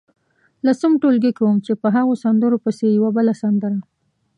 لسم ټولګي کې وم چې په هغو سندرو پسې یوه بله سندره.